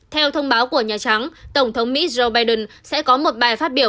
theo thông báo của nhà trắng tổng thống mỹ joe biden sẽ có một bài phát biểu